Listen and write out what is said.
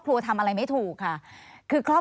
สวัสดีครับ